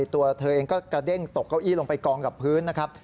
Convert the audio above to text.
ตัวเธอเองก็กระเด้งตกเก้าอี้ลงไปกองกับพื้นนะครับ